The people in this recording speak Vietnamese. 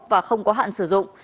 và không có hạn sử dụng